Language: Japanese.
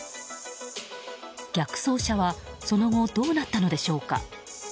逆走車はその後どうなったのでしょうか。